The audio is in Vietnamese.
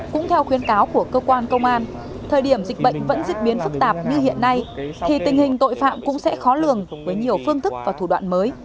cũng theo khuyến cáo của cơ quan công an thời điểm dịch bệnh vẫn diễn biến phức tạp như hiện nay thì tình hình tội phạm cũng sẽ khó lường với nhiều phương thức và thủ đoạn mới